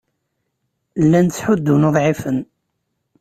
Llan ttḥuddun uḍɛifen.